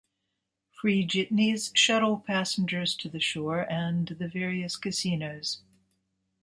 Free jitneys shuttle passengers to the shore and the various casinos.